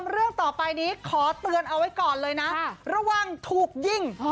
เรื่องต่อไปนี้ขอเตือนเอาไว้ก่อนเลยนะระวังถูกยิง